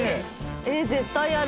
えーっ絶対やる。